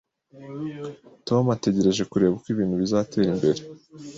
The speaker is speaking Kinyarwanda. Tom ategereje kureba uko ibintu bizatera imbere